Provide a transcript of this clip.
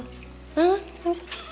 hah gak bisa